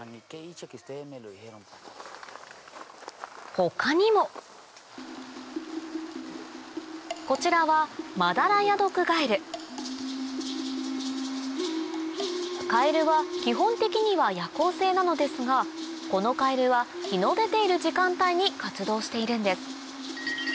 他にもこちらはカエルは基本的には夜行性なのですがこのカエルは日の出ている時間帯に活動しているんです